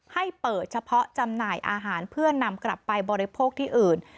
ให้เปิดเฉพาะจำหน่ายอาหารเพื่อนำกลับไปบริโภคที่อื่น